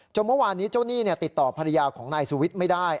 เมื่อวานนี้เจ้าหนี้ติดต่อภรรยาของนายสุวิทย์ไม่ได้